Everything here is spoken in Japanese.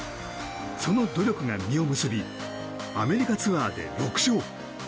その努力が実を結びアメリカツアーで６勝。